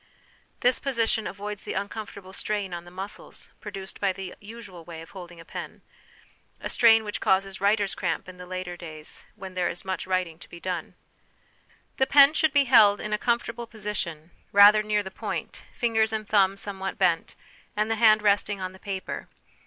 This position avoids the uncomfortable strain on the muscles produced by the usual way of holding a pen a strain which causes writer's cramp in later days when there is much writing to be done. The pen should be held in a comfortable position, rather near the point, fingers and thumb somewhat bent, and the hand resting on the paper.